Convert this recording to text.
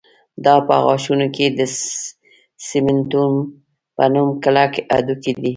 دا په غاښونو کې د سېمنټوم په نوم کلک هډوکی دی